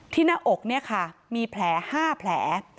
หน้าอกเนี่ยค่ะมีแผล๕แผล